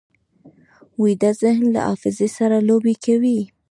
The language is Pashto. ویده ذهن له حافظې سره لوبې کوي